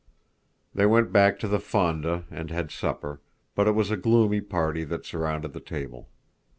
They went back to the FONDA, and had supper; but it was a gloomy party that surrounded the table.